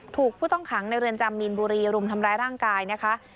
ผู้ต้องขังในเรือนจำมีนบุรีรุมทำร้ายร่างกายนะคะ